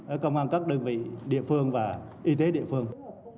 ở công an các đơn vị địa phương và y tế địa phương